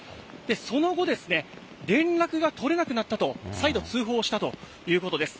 その後ですね、連絡が取れなくなったと再度通報したということです。